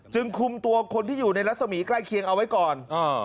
คุมตัวคนที่อยู่ในรัศมีร์ใกล้เคียงเอาไว้ก่อน